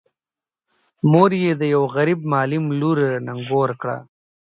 مور یې د یوه غريب معلم لور نږور کړه.